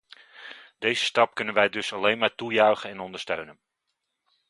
Deze stap kunnen wij dus alleen maar toejuichen en ondersteunen.